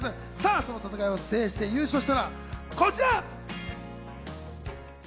そんなメンツを制して優勝したのがこちら。